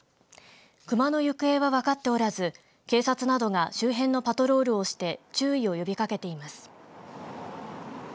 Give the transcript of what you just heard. クマの行方は分かっておらず警察などが周辺のパトロールをして注意を呼びかけています。